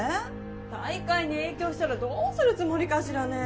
大会に影響したらどうするつもりかしらね